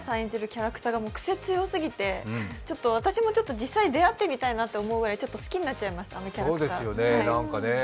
キャラクターが癖強すぎてちょっと私も実際出会ってみたいなと思うくらい好きになっちゃいました、あのキャラクター。